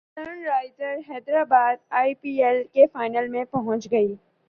sun Risers Hyderabad I P L کے final میں پہنچ گئی